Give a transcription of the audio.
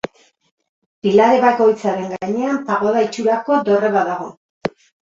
Pilare bakoitzaren gainean pagoda itxurako dorre bat dago.